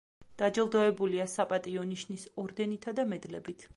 დაჯილდოებულია საპატიო ნიშნის ორდენითა და მედლებით.